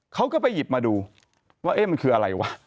เขาก็ไปหยิบมาดูว่าเอ๊ะมันคืออะไรวะ